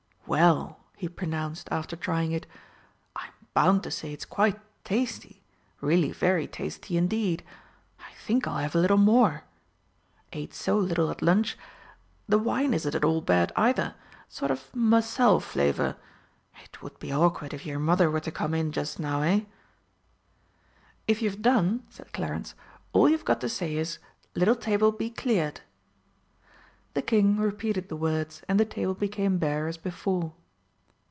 "Well," he pronounced, after trying it, "I'm bound to say it's quite tasty really very tasty indeed. I think I'll have a little more ate so little at lunch. The wine isn't at all bad either sort of Moselle flavour. It would be awkward if your mother were to come in just now, eh?" "If you've done," said Clarence, "all you've got to say is: 'Little table, be cleared.'" The King repeated the words, and the table became bare as before.